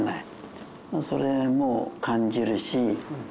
それも感じるし。